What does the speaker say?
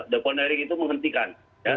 depon hering itu menghentikan